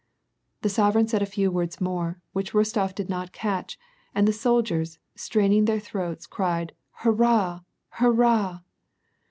The sovereign said a few words more, which Rostof did not catch, and the soldiers, straining their throats, cried Hurrah! hurrah